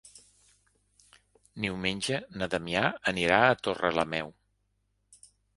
Diumenge na Damià anirà a Torrelameu.